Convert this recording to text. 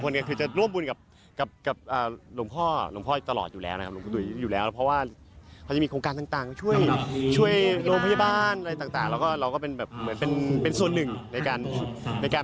คุณผู้ชมวุฒิคุณธ่านมันปายสดใสนะค่ะ